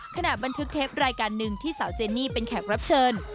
ขณะบันทึกเทปรายการหนึ่งที่สาวเจนี่เป็นแขกรับเชิญ